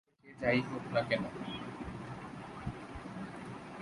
তবে, সে যাই হোক না কেন।